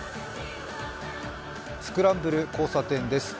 スクランブル交差点です。